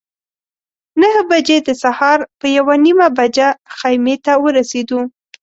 نهه بجې د سهار په یوه نیمه بجه خیمې ته ورسېدو.